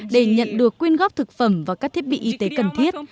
để nhận được quyên góp thực phẩm và các thiết bị y tế cần thiết